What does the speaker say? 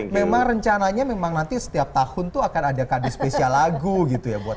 memang rencananya memang nanti setiap tahun tuh akan ada kadis spesial lagu gitu ya